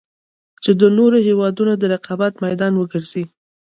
چـې د نـورو هېـوادونـو د رقـابـت مـيدان وګـرځـي.